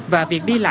và việc đi làm